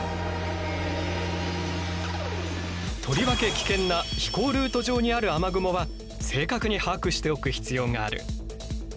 とりわけ危険な飛行ルート上にある雨雲は正確に把握しておく必要がある。